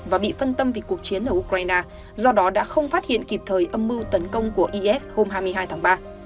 và bị phân tâm vì cuộc chiến ở ukraine do đó đã không phát hiện kịp thời âm mưu tấn công của is hôm hai mươi hai tháng ba